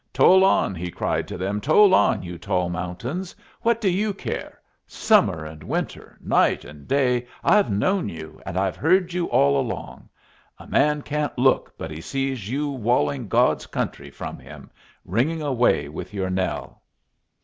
"Toll on!" he cried to them. "Toll on, you tall mountains. What do you care? Summer and winter, night and day, I've known you, and I've heard you all along. A man can't look but he sees you walling God's country from him, ringing away with your knell."